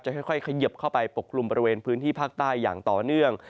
ค่อยเขยิบเข้าไปปกกลุ่มบริเวณพื้นที่ภาคใต้อย่างต่อเนื่อง